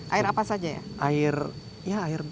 air apa saja ya